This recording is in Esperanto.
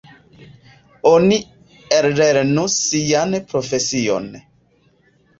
Oni ellernu sian profesion.